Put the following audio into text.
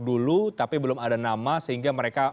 dulu tapi belum ada nama sehingga mereka